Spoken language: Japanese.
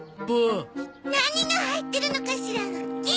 何が入ってるのかしらウッキー？